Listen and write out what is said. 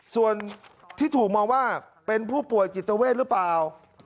ส่วนที่ถูกมองว่าเป็นผู้ป่วยจิตเวทหรือเปล่า